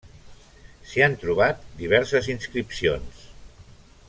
S'hi han trobat diverses inscripcions.